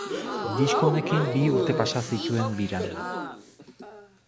Disko honekin bi urte pasa zituen biran.